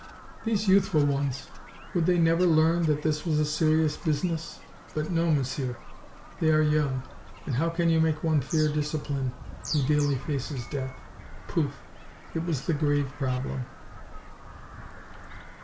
These youthful ones, would they never learn that this was a serious business? But no, Monsieur, they are young, and how can you make one fear discipline who daily faces death? Poof! It was the grave problem.